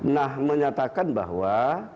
nah menyatakan bahwa